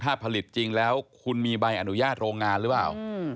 ถ้าผลิตจริงแล้วคุณมีใบอนุญาตโรงงานหรือเปล่า